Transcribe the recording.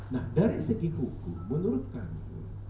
nah dari segi tubuh menurut kami